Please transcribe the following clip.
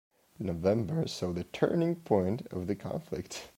November saw the turning point of the conflict.